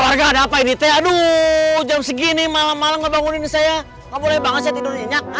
warga ada apa ini teh aduh jam segini malam malam ngebangunin saya gak boleh banget saya tidur nyenyak